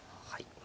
はい。